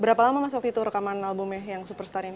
berapa lama mas waktu itu rekaman albumnya yang superstar ini